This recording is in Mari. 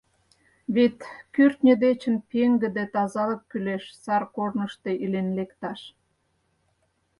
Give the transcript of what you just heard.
Вет кӱртньӧ дечын пеҥгыде тазалык кӱлеш сар корнышто илен лекташ.